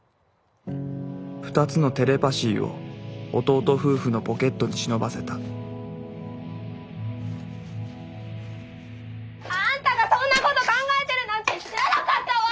２つのテレパ椎を弟夫婦のポケットに忍ばせたあんたがそんなこと考えてるなんて知らなかったわ！